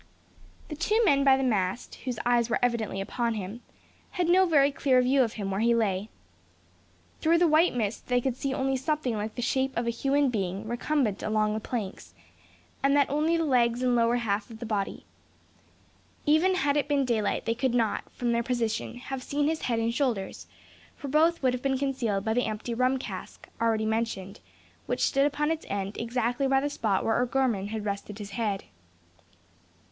The two men by the mast, whose eyes were evidently upon him, had no very clear view of him where he lay. Through the white mist they could see only something like the shape of a human being recumbent along the planks; and of that only the legs and lower half of the body. Even had it been daylight they could not, from their position, have seen his head and shoulders; for both would have been concealed by the empty rum cask, already mentioned, which stood upon its end exactly by the spot where O'Gorman had rested his head.